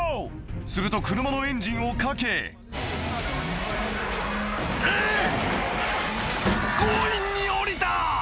すると車のエンジンをかけえっ強引に降りた！